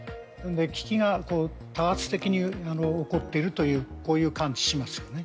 危機が多発的に起こっていると、こう感知しますよね。